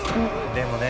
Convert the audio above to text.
でもね